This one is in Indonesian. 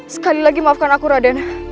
sekali lagi maafkan aku raden